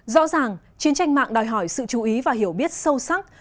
rõ ràng chiến tranh mạng đòi hỏi sự chú ý và hiểu biết sâu sắc